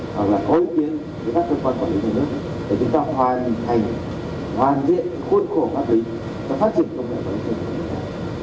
hoặc là khối biến các cơ quan của hiệp hội nước để chúng ta hoàn thành hoàn diện khuôn khổ hoa kỳ và phát triển công nghệ của hiệp hội nước